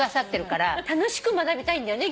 楽しく学びたいんだよね